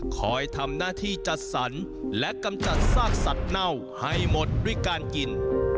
คอยทำหน้าที่จัดสรรและกำจัดซากสัตว์เน่าให้หมดด้วยการกิน